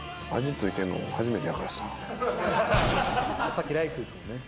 さっきライスですもんね。